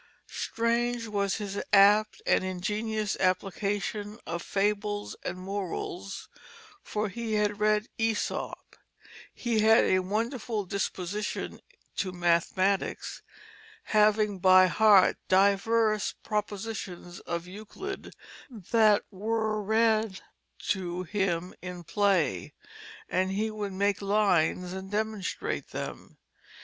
Strange was his apt and ingenious application of fables and morals, for he had read Æsop; he had a wonderful disposition to mathematics, having by heart divers propositions of Euclid that were read to him in play, and he would make lines and demonstrate them.